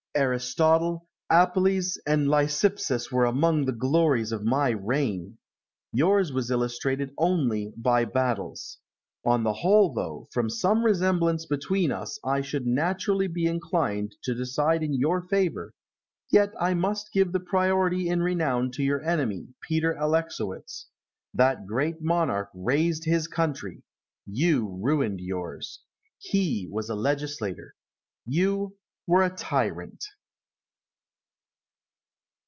Aristotle, Apelles, and Lysippus were among the glories of my reign. Yours was illustrated only by battles. Upon the whole, though, from some resemblance between us I should naturally be inclined to decide in your favour, yet I must give the priority in renown to your enemy, Peter Alexowitz. That great monarch raised his country; you ruined yours. He was a legislator; you were a tyrant.